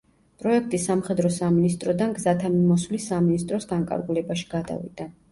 პროექტი სამხედრო სამინისტროდან გზათა მიმოსვლის სამინისტროს განკარგულებაში გადავიდა.